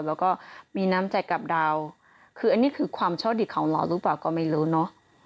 แล้วก็มีน้ำใจกับดาวคืออันนี้คือความโชคดีของเราหรือเปล่าก็ไม่รู้เนอะ